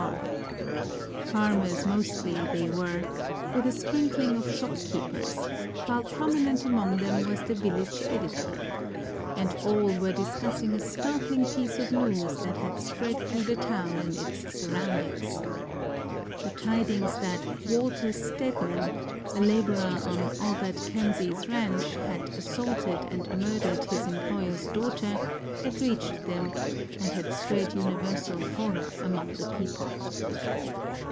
Farmers mostly they were, with a sprinkling of shopkeepers, while prominent among them was the village editor, and all were discussing a startling piece of news that had spread through the town and its surroundings. The tidings that Walter Stedman, a laborer on Albert KelseyŌĆÖs ranch, had assaulted and murdered his employerŌĆÖs daughter, had reached them, and had spread universal horror among the people.